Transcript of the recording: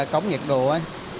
cống nghẹt đồ ấy